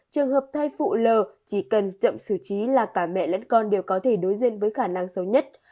trường hợp thai phụ lờ chỉ cần chậm xử trí là cả mẹ lẫn con đều có thể đối diện với khả năng xấu nhất